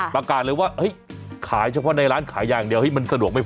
ประกาศเลยว่าขายเฉพาะในร้านขายอย่างเดียวมันสะดวกไม่พอ